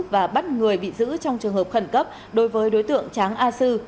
và bắt người bị giữ trong trường hợp khẩn cấp đối với đối tượng tráng a sư